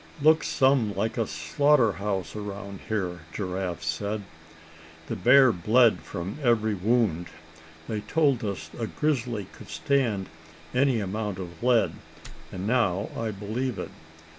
"Looks some like a slaughter house around here," Giraffe said. "The bear bled from every wound. They told us a grizzly could stand any amount of lead, and now I believe it.